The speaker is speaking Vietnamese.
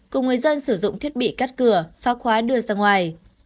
cùng người dân sử dụng thiết bị cắt cửa phá khóa đưa ra ngoài